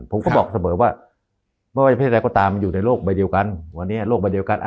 ผมก็บอกเสมอว่าไม่ว่าเพศอะไรก็ตามมันอยู่ในโลกใบเดียวกันวันนี้โลกใบเดียวกัน